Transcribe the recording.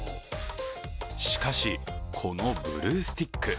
しかし、このブルースティック